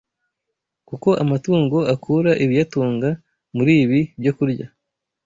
Kuko amatungo akura ibiyatunga muri ibi byokurya.